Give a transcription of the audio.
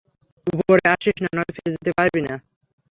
উপরে আসিস না, নয়তো ফিরে যেতে পারবি না।